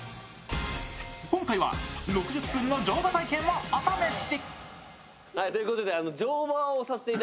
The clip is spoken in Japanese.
今回は６０分の乗馬体験をお試し。